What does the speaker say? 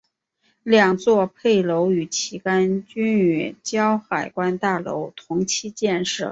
两座配楼与旗杆均与胶海关大楼同期建设。